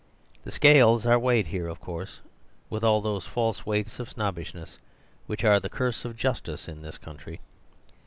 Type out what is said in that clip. The scales are weighted here, of course, with all those false weights of snobbishness which are the curse of justice in this country.